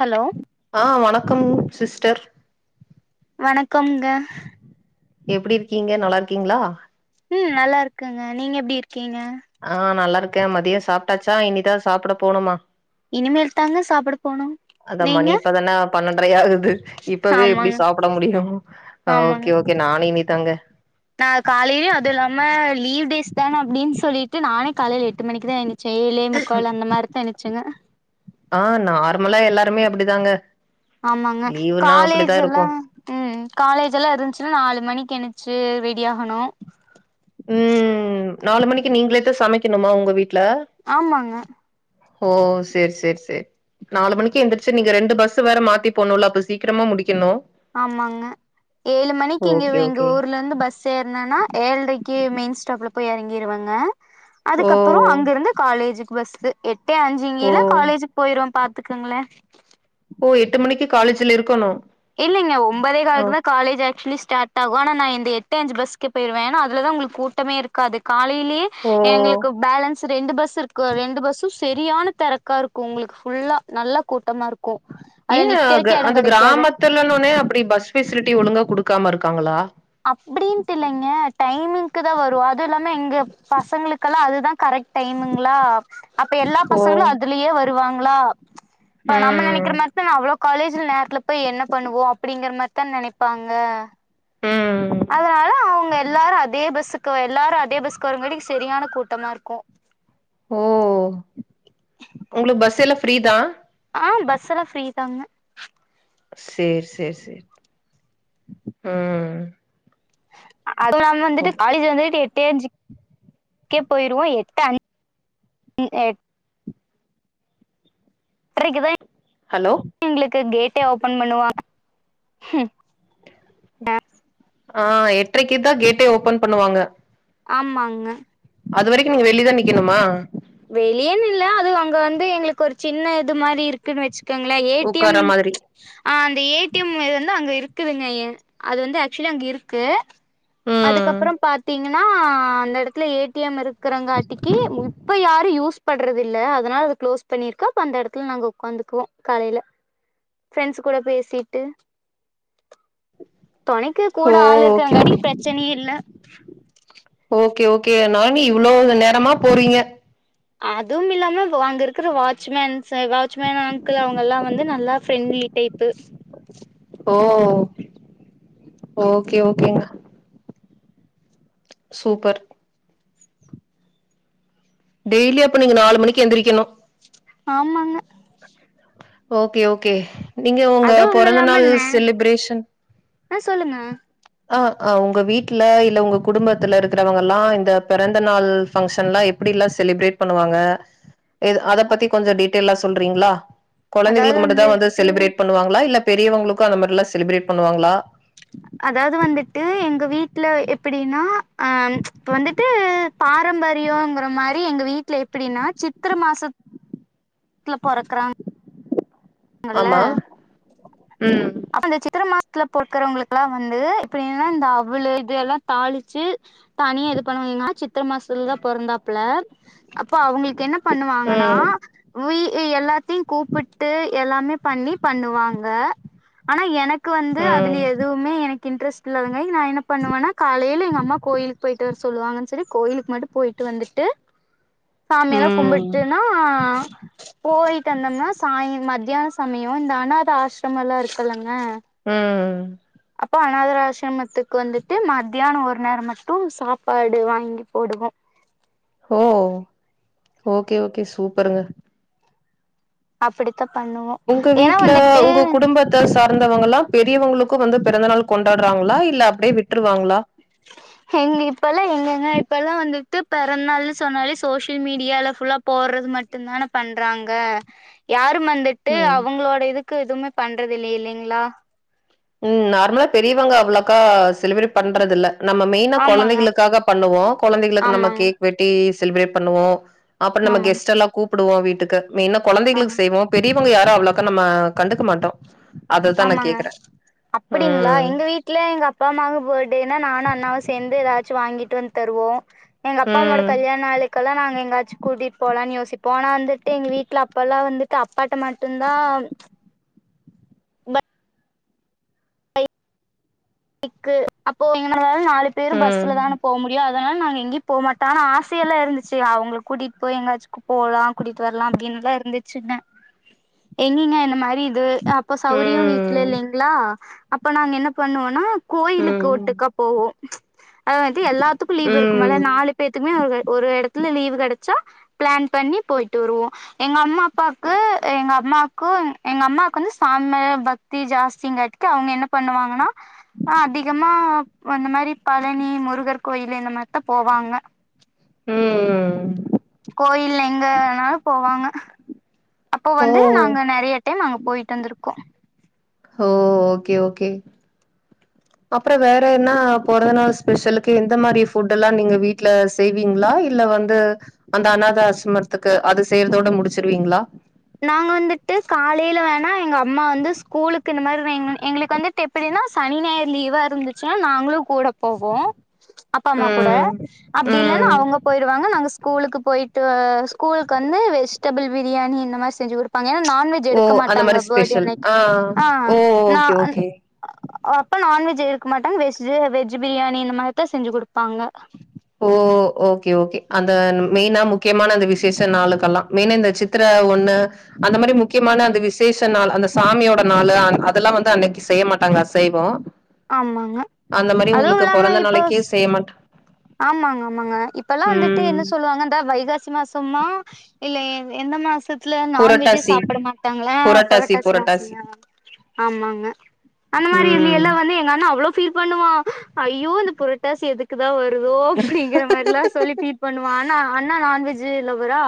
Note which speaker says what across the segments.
Speaker 1: Hello
Speaker 2: ஆ வணக்கம் sister
Speaker 1: வணக்கம்ங்க
Speaker 2: எப்டி இருக்கீங்க நல்லா இருக்கீங்களா?
Speaker 1: ம் நல்லா இருக்கங்க நீங்க எப்டி இருக்கீங்க
Speaker 2: ஆ நல்லா இருக்கே மதியொ சாப்ட்டாச்சா இனிதா சாப்ட போணுமா
Speaker 1: இனிமேலுத்தாங்க சாப்ட போனு நீங்க
Speaker 2: நறையா இருக்குது இப்பவே எப்டி
Speaker 1: ஆமாங்க
Speaker 2: சாப்ட முடியு அ
Speaker 1: ஆமாங்க
Speaker 2: ஓகே ஓகே நானு இனி டங்க
Speaker 1: நா காலையில அது இல்லாம லீவ் டேஸ் தான அப்டின்னு சொல்லிட்டு நானே காலையில எட்டு மணிக்கு தா எ ந்திரிச்ச ஏழே முக்கால் அந்த மாரி தா சங்க
Speaker 2: ஆஹ் நார்மலா எல்லாருமே அப்டி தாங்க
Speaker 1: ஆமாங்க காலேஜ் எல்லா உம் காலேஜ் எல்லா இருந்துச்சுன்னா நாலு மணிக்கு எந்துருச்சு ரெடி ஆகணு
Speaker 2: உம் நாலு மணிக்கு நீங்களே தா சமைக்கணுமா உங்க வீட்
Speaker 1: ஆமாங்க
Speaker 2: ஓ சேர் சேர் சேர் நாலு மணிக்கு எந்திரிச்சு நீங்க ரெண்டு பஸ் வேற மாத்தி போனும்ல அப்ப சீக்கிரமா முடிக்கணு
Speaker 1: ஆமாங்க ஏழு மணிக்கு இங்க
Speaker 2: ஓகே
Speaker 1: எங்க
Speaker 2: ஓகே
Speaker 1: ஊர்ல இருந்து பஸ் ஏர்னேன்னா ஏழ்ரைக் கே மெயின் ஸ்டாப்புல போய் எறங்கிருவங்க அதுக்கப்புறோ
Speaker 2: ஓ
Speaker 1: அங்கிருந்து காலேஜுக்கு பஸ் சு எட் டு அஞ்சுங்கில
Speaker 2: ஓ
Speaker 1: காலேஜ் போயிரு பாத் த்துக்குங்களே
Speaker 2: ஓ எட்டு மணிக்கு காலேஜ்ல இருக்கணு
Speaker 1: இல்லைங்க ஒபதே காலுக் தா காலேஜ் ஆக்சுவலி ஸ்டாட் ஆகு ஆன நா இந்த எட்டு அஞ்சு பஸ்கே போயிருவ ஏன்னா அதுல தா உங்ளுக்கு கூட்டமே இருக்காது காலை லிலி
Speaker 2: ஓ!
Speaker 1: எங்களுக்கு பேலன்ஸ் சு ரெண்டு பஸ் இருக்கு ரெண்டு பஸ்ஸும் செரியான தரக்கா இருக்கும் உங்குளுக்கு ஃபுல்லா நல்லா கூட்டமா இருக் க்கும் அது நிக்கேறக்கே எடோம் கெடைக்காது
Speaker 2: இல்லனோனே அப்புடி பஸ் ஃபெசிலிட்டி ஒழுங்கா குடுக்காம இருக்காங்களா
Speaker 1: அப்புடின்ட்டு இல்லைங்க டைமிங்க்கு தா வரும் அது இல்லாமே எங்க பசங்களுக்கல்லா அதுதா கரெக்ட் டைமுங்களா அப்ப எல்லா
Speaker 2: ஓ!
Speaker 1: பசங்களும் அதுலயே வருவாங் ங்களா இப்ப நம்ம
Speaker 2: ம்.
Speaker 1: நெனைக்கிற மாரி தா அவளோ காலேஜ்ல நேரத்துல போய் என்னப் பண்ணுவோ அப்புடிங்கற மாரி தா நெனைப்பாங்க
Speaker 2: ம்.
Speaker 1: அதனால அவங்க எல்லாரும் அதே பஸ்ஸுக்கு வ எல்லாரும் அதே பஸ்க்கு வருங்காட்டி செரியான கூட்டமா இருக்கும்
Speaker 2: ஓ உங்குளுக்கு பஸ் எல்லா ஃப்ரீதா
Speaker 1: ஆ பஸ் எல்லா ஃப்ரீதாங்க
Speaker 2: சேர் சேர் சேரி ம்
Speaker 1: அதுவும் நம் வந்துட்டு
Speaker 2: ஓகே.
Speaker 1: காலேஜ் வந்துட்டு எட்டேஞ்சு க்கே போயிருவோ எட்டு அஞ் ம் அ எட் ட்ரைக்கு தா
Speaker 2: ஹலோ?
Speaker 1: எங்குளுக்கு கேட் ட்டே ஓபன் பண்ணுவாங்க
Speaker 2: ஆ எட்ரைக்குதா கேட்டே ஓபன் பண்ணுவாங்க
Speaker 1: ஆம்மாங்க
Speaker 2: அது வரைக்கு நீங்க வெளியதா நிக்கணுமா
Speaker 1: வெளியன்னு இல்ல அது அங்க வந்து எங்களுக்கு ஒரு சின்ன இது மாரி இருக்குன்னு வெச்சு கங்ளே ஏ டி எம்
Speaker 2: உட்கார்ற மாதிரி.
Speaker 1: ஆ அந்த ஏ டி எம் இது வந்து அங்க இருக்குதுங்க அது வந்து ஆக்சுவலி அங்க இருக்கு
Speaker 2: ம்.
Speaker 1: அதுக்கப்புறம் பாத்தி ங்னா அந்த எடத்துல ஏ டி எம் இருக் க்கறங்காட்டிக்கி யாரு யூஸ் பண்றது இல்ல அதனால அது க்ளோஸ் பண்ணிருக்கு அப்ப அந்த எடத்துல நாங்க உக்காந்துக்குவோ காலைல ஃப்ரெண்ட்ஸ் கூட பேசிட்டு தொணைக்கு
Speaker 2: ஓ!
Speaker 1: கூட ஆள்
Speaker 2: ஓகே.
Speaker 1: இருக்கிறங்காட்டிக்கு பிரச்சனை இல்ல
Speaker 2: ஓகே ஓகே அதனால நீ இவ்ளோ நேரமா போறிங்க
Speaker 1: அதும் இல்லாம வ அங்க இருக்கிற வாட்சமேன்ஸ் வாட்ச்மேன் அங்கிள் அவங்க எல்லா வந்து நல்லா ஃப்ரெண்ட்லி டைப்பு
Speaker 2: ஓ ஓகே ஓகேங்க சூப்பர் டெய்லி அப்ப நீங்க நாலு மணிக்கு எந்திரிக்கணு
Speaker 1: ஆமாங்க
Speaker 2: ஓகே ஓகே நீங்க உங்க
Speaker 1: அதுவும்
Speaker 2: பொறந்த
Speaker 1: இல்லாம
Speaker 2: நாள்
Speaker 1: நே
Speaker 2: செலிப்ரேஷன்
Speaker 1: ஆ சொல்லுங்க
Speaker 2: அ அ உங்க வீட்ல இல்ல உங்க குடும்பத்துல இருக்கறவங்கல்லா இந்த பிறந்த நாள் பங்க்ஷன்லா எப்டில்லா செலிப்ரேட் பண்ணுவாங்க இது அதப்பத்தி கொஞ்சோ டீட்டைல்லா சொல்றீங்களா
Speaker 1: அதாவது
Speaker 2: கொழந்தைளுக்கு மட்டுந்தா வந்து
Speaker 1: வந்துட்டு
Speaker 2: செலிப்ரேட் பண்ணுவாங்களா இல்ல பெரியவங்க ளுக்கு அந்த மாரில்லா செலிப்ரேட் பண்ணுவாங்களா
Speaker 1: அதாவ்து வந்துட்டு எங்க வீட்ல எப்பிடின்னா அ இப்ப வந்துட்டு பாரம்பரியொங்குற மாரி எங்க வீட்ல எப்டின்னா சித்ர மாசத் துல பொறக்கறாங் கல்ல
Speaker 2: ஆமா ம்
Speaker 1: அந்த சித்ர மா த்ல பொறக்குறவங்களுக்குல்லா வந்து எப்டின்னா இந்த அவுளு இது எல்லா தாளிச்சி தனியா இது பண்ணுவாங்கன்னா சித்ர மாசத்ல தா பொறந்தாப்புல அப்ப அவுங்களுக்கு என்ன பண்ணுவாங்கன்னா
Speaker 2: ம்
Speaker 1: வீ யு எல்லாத்தையு கூப்புட்டு எல்லாமே பண்ணி பண்ணுவாங் க ஆனா எனக் கு வந்து அதுல எதுவுமே எனக் கு இன்ட்ரெஸ்ட் இல்லாதங்கா நா என்ன பண்ணுவன்னா காலையில எங்க அம்மா கோயிலுக்கு போயிட்டு வர சொல்லுவாங்கன் சொல்லி கோயிலுக்கு மட்டு போயிட்டு வந்துட்டு சாமியெல்லா
Speaker 2: ம் ம்
Speaker 1: கும்புட்டன்னா போயிட் டு வந்தன்னா சாய் மத்தியானொ சமயோ இந்த அனாத ஆஸ் ரமொல்லா இருக்குல்லங்
Speaker 2: உம்
Speaker 1: ப்ப அனாத்ர ஆஷ்ரமத்துக்கு வந்துட்டு மத்தியானொ ஒரு நேரொ மட்டு சாப்பாடு வாங்கி போடுவோ
Speaker 2: ஓ ஓகே ஓகே சூப்பருங்க
Speaker 1: அப்டி
Speaker 2: உங்க வீட்ல உங்க குடும்பத்த சார்ந்தவங்களா பெரியவங்களுக்கு வந்து பிறந்த நாள் கொண்டாட்றாங்களா இல்ல அப்டியே விட்ருவாங்களா
Speaker 1: எங்க இப்பெல்லா எங்கங்க இப்பெல்லா வந்துட்டு பெறந்நாள்னு சொன்னாலே சோஷியல் மீடியால ஃபுல்லா போர்றது மட்டுந்தான பண்றாங்க யாரு ம் வந்துட்டு
Speaker 2: ம்
Speaker 1: அவுங்களோட இதுக் க்கு எதுமே பண்றதில்லே இல்லைங்ளா
Speaker 2: உம் நார்மலா பெரியவங்க அவ்வளோக்கா செலிப்ரேட் பண்றதில்ல நம்ம மெயினா
Speaker 1: ஆமாங்க
Speaker 2: கொழந்தைகளுக்காக பண்ணுவோ கொழந்தைகளுக்கு நம்ம
Speaker 1: ஆமாங்க
Speaker 2: கேக் வெட்டி செலிப்ரேட் பண்ணுவோ அப்றோ நம்ம
Speaker 1: ஆமாங்க
Speaker 2: கெஸ்ட்டெல்லா கூப் புடுவோ வீட்டுக்கு மெய்னா
Speaker 1: ஆமா
Speaker 2: குழந்தைகளுக்கு செய்வோ பெ ரியவங்க யாரு அவ்ளோக்கா நம்ம கண்டுக்க மாட்டோ அததா நா கேக்குற
Speaker 1: அப்டிங்ளா எங்க வீட்ல எங்க அப்பா அம்மாவுக்கு பேட்டேனா நானு அண்ணாவு சேந்து ஏதாச் வாங்கிட்டு வந்து தருவோ எங்க அப்பாவோட
Speaker 2: ம்
Speaker 1: கல்யாண நாளுக்கெலா நாங்க எங்காச்சு கூட்டிட் போலான்னு யோசிப்போ ஆனா வந்துட்டு எங்க வீட்டுல அப்ப எல்லா வந்துட்டு அப்பாட்ட மட்டும்தா ம் க்கு அப்போ [unintelligible] நாலு பேரு பஸ்ல தான
Speaker 2: ம்
Speaker 1: போ முடியு அதனால நாங்க எங்கேயு போமாட்டோ ஆனா ஆசயேல்லா இருந்துச்சு அவங்கள கூட்டிட்டு போய் எங்காச்சுக்கு போலா கூட்டிட்டு வரலா அப்டின்னெல்லா இருந்துச்சுங்க எங்கிங்க இந்த மாரி அது அப்ப சௌரியோ வீட்ல
Speaker 2: ம்
Speaker 1: இல்லைங்களா அப்ப நாங்க என்ன பண்ணுவோ ந
Speaker 2: ம்
Speaker 1: கோயிலுக்கு
Speaker 2: ம்
Speaker 1: ஒட்டுக்கா போவோ அது வந்து எல்லாத்துக்கு லீவுருக்குமுல
Speaker 2: ம்
Speaker 1: நாலு பேத்துக்குமே அது ஒரு இடத்துல லீவு் கெடச்சா பிளான் பண்ணி போயிட்டு வருவோ எங்க அம்மா அப்பாவுக்கு எங்க அம்மாக்கு எங்க அம்மாக்கு வந்து சாமி மேல பக்தி ஜாஸ்திங்ரங்காடிக்கு அவங்க என்ன பண்ணுவாங்கன்னா அதிகமா அந்த மாரி பழனி முருகர் கோயிலு இந்த மாரித்தா போவாங்க
Speaker 2: ம்
Speaker 1: கோயில்ல எங்கனாலு போவாங்க அப்போ வந்து
Speaker 2: ஓ
Speaker 1: நாங்க நெறைய டைம் அங்க போயிட்டு வந்திருக்கோ
Speaker 2: ஓ ஓகே ஓகே அப்ரோ வேற என்ன பொறந்த நாள் ஸ்பெஷலுக்கு எந்த மாரி ஃபுட்ல்லா நீங்க வீட்ல செய்வீங்களா இல்ல வந்து அந்த அனாத ஆசர்மத்துக்கு அது செய்றதோட முடிச்சிருவீங்களா
Speaker 1: நாங்க வந்துட்டு காலைல வேணா எங்க அம்மா வந்து ஸ்கூலுக்கு இந்த மாரி வைங்க எங்களுக்கு வந்து எப்டின்னா சனி நாயிறு லீவாருந்துச்சுன்னா நாங்களு கூட போவோ அப்பா அம்மா கூட
Speaker 2: ம்
Speaker 1: அப்டில்லனா
Speaker 2: ம்
Speaker 1: அவங்க போயிருவாங்க நாங்க ஸ்கூலுக்கு போயிட்டு ஸ்கூலுக்கு வந்து வெஜ்டெபிள் பிரியாணி இந்த மாரி செஞ்சு கொடுபாங் ஏன்னா நான்வெஜ்
Speaker 2: ஓ
Speaker 1: எடுக்க
Speaker 2: அந்த
Speaker 1: மாட்டாங்க
Speaker 2: மாரி
Speaker 1: பர்த்டே
Speaker 2: ஸ்பெஷல்
Speaker 1: அன்னைக்கு
Speaker 2: ஆ
Speaker 1: ஆ
Speaker 2: ஓ ஓகே ஓகே
Speaker 1: அப்போ நான்வஜ் எடுக்க மாட்டாங்க வெஜ் வெஜ் பிரியாணி இந்த மாதிரிதா செஞ்சு கொடுப் பாங்க
Speaker 2: ஓ ஓகே ஓகே அந்த மெயினா முக்கியமான அந்த விசேஷ நாளுக்கெல்லா மெயின் இந்த சித்திர ஒண்ணு அந்த மாதிரி முக்கியமான அந்த விசேஷ நாள் அந்த சாமியோட நாள் அதெல்லாம் வந்து அன்னைக்கு செய்ய மாட்டாங்களா அசைவம்
Speaker 1: ஆமாங்க
Speaker 2: அந்த மாதிரி
Speaker 1: அதுவு
Speaker 2: உங்களுக்கு
Speaker 1: இல்லாம
Speaker 2: பொறந்த
Speaker 1: இப்போ
Speaker 2: நாளைக்கே செய்ய மாட்டாங்க
Speaker 1: ஆமாங்க ஆமாங்க இப்ப எல்லாம் வந்துட்டு
Speaker 2: ம்
Speaker 1: என்ன சொல்லுவாங்க இந்த வைகாசி மாசமா இல்ல எந்த மாசத்து வல நான் வெஜ்ஜே
Speaker 2: புரட்டாசி
Speaker 1: சாப்பிட மாட்டாங்களா புரட்டாசி மாச மா ஆமாங்க அந்த மாதிரி இல்ல
Speaker 2: ம்
Speaker 1: எல்ல வந்து எங்க மா அவ்வளோ ஃபீல் பண்ணுவா ஐயோ இந்த புரட்டாசி எதுக்குதா வரு தோ அப்படிங்கிற மாதிரா சொல்லி பஃபீல் பண்ணுவா ஆனா அண்ணா நான்வெஜ் ஜி லவ்வரா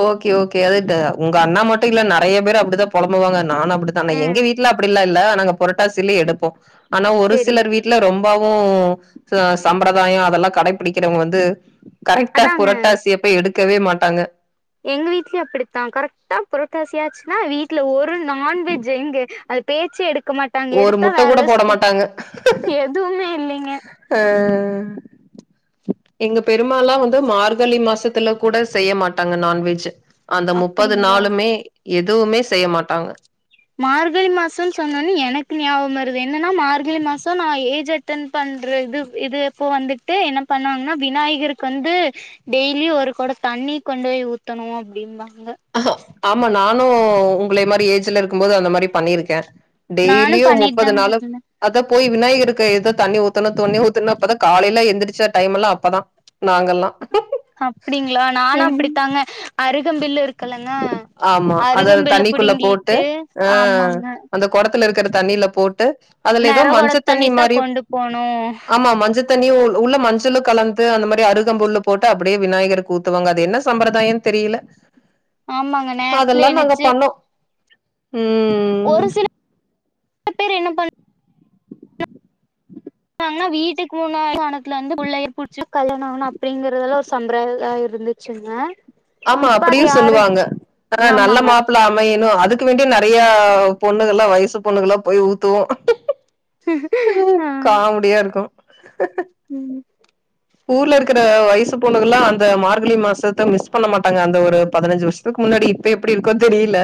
Speaker 2: ஓ ஓகே ஓகே அது இந்த உங்க அண்ணா மட்டும் இல்ல நறைய பேரு அப்புடிதா பொலம்புவாங்க அன் நானு அப்புடித்தா னா எங்க
Speaker 1: ம்
Speaker 2: வீட்ல அப்புடில்லா இல்ல நாங்க புரட்டாசியிலயே எடுப்போ ஆனா ஒரு
Speaker 1: சேரிங்க
Speaker 2: சிலர் வீட்டுல ரொம் இப்போவு சம்பிரதாயோ அதெல்லா கடைபிடிக்கிறவங்க வந்து கரெக்டா
Speaker 1: அதாங்க
Speaker 2: புரட்டாசியப் எடுக்கவே மாட்டாங்க
Speaker 1: எங்க வீட்லயே அப்படித்தா கரெக்டா புரோட்டாசியாச்சுன்னா வீட்டுல ஒரு நான்வெஜ் எங்க அது பேச்சு எடுக்
Speaker 2: ஒரு முட்ட கூட போட மாட்டாங்க
Speaker 1: எதுவுமே இல்லைங்க
Speaker 2: அஹ் எங்க பெரும்மாலா வந்து மார்கழி மாசத்துல கூட செய்ய மாட்டாங்க நான்வெஜ் அந்த முப்பது
Speaker 1: அப்டிங்களா
Speaker 2: நாளுமே எதுவுமே செய்ய மாட்டாங்க
Speaker 1: மார்கழி மாசன் சொன்னோன்னு எனக்கு ஞாபக வருது என்னன்னா மார்கழி மாசோ நா ஏஜ் அட்டன் பண்ற இது இது அப்போ வந்துட்டு என்ன பண்ணுவாங்கன்னா விநாயகருக்கு வந்து டெய்லியு ஒரு கொட தண்ணி கொண்டு போய் ஊத்தணு அப்படின்னும்பா
Speaker 2: ஆமா நா னு உங்களை மாதிரி ஏஜ்ல இருக்கு போது அந்த மாரி பண்ணியிருக்கே
Speaker 1: நானு
Speaker 2: டெய்லியு
Speaker 1: பண்ணிட்டு
Speaker 2: முப்பது
Speaker 1: தாங்க
Speaker 2: நாளு
Speaker 1: இருந்தே
Speaker 2: அதா போய் விநாயகர்க்கு ஏதோ தண்ணி ஊத்தணு தொண்ணி ஊத்தணு அப்பதா காலையிலா எந்திரச்ச டைம் எல்லா அப்பதா நாங்கல்லா
Speaker 1: அப்படிங்களா நானு அப்படித்தாங்க அருகம்பில்லு இருக்
Speaker 2: ஆமா அத தண்ணிக்குள்ள போட்டு
Speaker 1: புடுங்கிட்டு
Speaker 2: ஆஹ்
Speaker 1: ஆமாங்க
Speaker 2: அந்த குடத்துல இருக்கிற தண்ணியில போட்டு அதுல ஏதோ
Speaker 1: நெற கொட
Speaker 2: மஞ்ச தண்ணி
Speaker 1: தண்ணித்தா
Speaker 2: மாரி
Speaker 1: கொண்டு போனு
Speaker 2: ஆமா மஞ்சத் தண்ணி ஊர் உள்ள மஞ்சளு கலந்து அந்த மாரி அரு கம்புல்லு போட்டு அப்படியே விநாயகர்க்கு ஊத்துவாங்க அது என்ன சம்பிரதாயன்னு தெரியல
Speaker 1: ஆமாங்க நேரத்துல
Speaker 2: அதெல்லாம் நாங்க
Speaker 1: எனிச்சு
Speaker 2: பண்ணோம். ம்.
Speaker 1: ஒரு சில [inaudible] பேர் என்ன பண் [inaudible] டாங்னா வீட்டுக்கு [inaudible] புள்ளயார் புடிச்சு கல்யாண ஆகணு அப்படிங்கறதெல்லா ஒரு சம்பிரதா ஆ இருந்துச்சுங்க
Speaker 2: ஆமா
Speaker 1: இப்ப அது
Speaker 2: அப்படியு
Speaker 1: யாரு
Speaker 2: சொல்லுவாங்க அப்றோ நல்ல
Speaker 1: ஆமாங்க
Speaker 2: மாப்பிள அமைய ணு அதுக்கு வேண்டி நறைய பொண்ணுகள்ல்லா வயசு பொண்ணுகள்ல்லா போய் ஊத்துவோ உம் காமடியா இருக்கு
Speaker 1: உம்
Speaker 2: ஊர்ல இருக்கிற வயசு பொண்ணுக எல்லா அந்த மார்கழி மாசத்த மிஸ் பண்ண மாட்டாங்க அந்த ஒரு பதினஞ்சு வருஷத்துக்கு முன்னாடி இப்ப எப்படி இருக்கோ தெரியல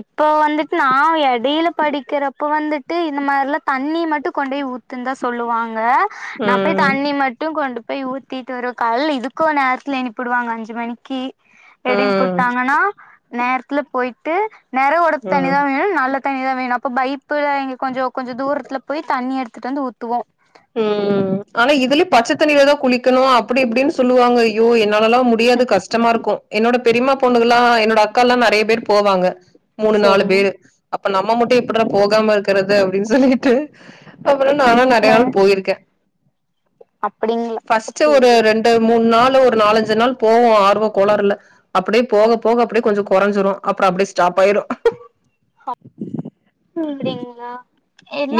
Speaker 1: இப்போ வந்துட்டு நா எடையில படிக்கிறப்போ வந்துட்டு இந்த மாரில்லா தண்ணி மட்டு கொண்டு போய் ஊத்துன்னு தா சொல்லுவா ங்க நா போய்
Speaker 2: ம்.
Speaker 1: தண்ணி மட்டு கொண்டு போய் ஊத்திட்டு வருவ காலைல இதுக்கு நேரத்துல எனுப்பிடுவாங்க அஞ்சு மணிக்கி
Speaker 2: ம்.
Speaker 1: எடிம்ப்புட்டாங்கனா நேரத்துல போய் டு நிற உடப்பு
Speaker 2: ம்.
Speaker 1: தண்ணிதா வேணு நாலுப் தண்ணிதா வேணு அப்பொ பைப்புல எங்க கொஞ்சொ கொஞ்சொ தூரத்துல போய் தண்ணி எடுத்துட்டு வந்து ஊத்துவோ
Speaker 2: உஹ்ம் ஆனா இதுல பச்சைத்தண்ணியில தா குளிக்கணு அப்டி இப்டின்னு சொல்லுவாங்க ஐயோ என் னாலாலா முடியாது
Speaker 1: ம்
Speaker 2: கஷ்டமா இருக்கோ என்னோட பெரியமா பொண்ணுகலா என்னோட அக்கா எல்லா நறைய பேர் போவாங்க மூணு நாலு
Speaker 1: சரிங்க
Speaker 2: பேரு அப்ப நம்ம மட்டு எப்பட்றா போகாம இருக்குறது அப்டின்னு சொல்லிகிட்டு அப் பறோ நானு நறைய
Speaker 1: அ
Speaker 2: க்க
Speaker 1: அப்படிங்களா
Speaker 2: ஃப்ஸ்ட் ஒரு
Speaker 1: சேரி சேரி
Speaker 2: ரெண்டு மூணு நாள் ஒ நாலஞ்சு நாள் போவோ ஆர்வொ கோளாறுல அப்டியே போக போக அப்டிய கொஞ்ச கொறஞ்சிறோ அப்புறோ அப்டிய ஸ்டாப் ஆயிரு
Speaker 1: அப்டிங்களா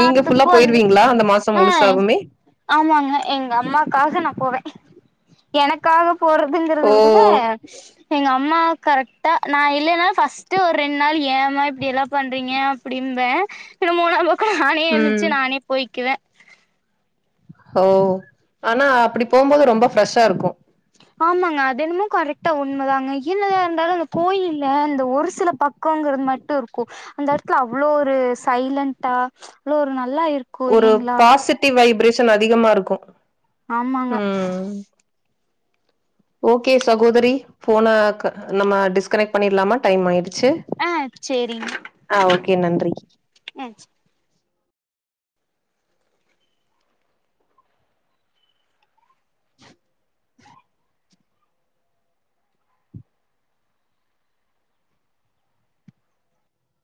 Speaker 2: நீங்க ஃபுல்லா
Speaker 1: வந்து
Speaker 2: போயிருவீங்களா அந்த மாசோ
Speaker 1: ஆஹ்
Speaker 2: முழுசாவுமே
Speaker 1: ஆமாங்க எங்க அம்மாக்காக நா போவே எனக்காகப் போறதுங்குறத
Speaker 2: ஓ
Speaker 1: விட எங்க அம்மா கரெக்டா நா இல்லன்னா ஃப்ஸ்ட்டு ஒரு ரெண்டு நாள் ஏமா இப்டி எல்லா பண்றீங்க அப்டி ம்பே என்னமோ நாங்கொ நானே எனுச்சு
Speaker 2: ம்
Speaker 1: நானே போய்க்குவே
Speaker 2: ஹோ ஆனா அப்டி போம்போது ரொம்ப ஃப் ரஷ்ஷா இருக்கோ
Speaker 1: ஆமாங்க அதென்னமோ கரெக்டா உண்மதாங்க என்னத்த இருந்தாலு அந்த கோயில்ல இந்த ஒரு சில பக்கோகுறது மட்டு இருக்கு அந்த எடத்துல அவ்ளோ ஒரு சைலண்டா அவ்ளோ ஒரு ந
Speaker 2: ஒரு பாசிட்டிவ் வைப்ரே ஷன் அதிகமா இருக்கு
Speaker 1: ஆமாங்க
Speaker 2: உஹ்ம் ஓகே சகோதரி ஃபோன க நம்ம டிஸ்கனெக்ட் பண்ணிடலாமா டைம் ஆயிடு சு
Speaker 1: ஆ சேரிங்க
Speaker 2: ஆஹ் ஓகே நன்றி
Speaker 1: ம்